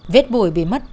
vết bụi bị mất